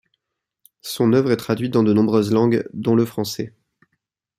Son œuvre est traduite en de nombreuses langues, dont le français.